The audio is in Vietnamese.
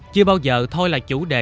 chưa bao giờ thôi là chủ đề